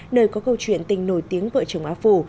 nơi có câu chuyện tình nổi tiếng vợ chồng a phủ